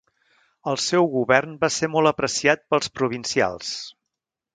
El seu govern va ser molt apreciat pels provincials.